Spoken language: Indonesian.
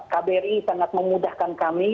kbri sangat memudahkan kami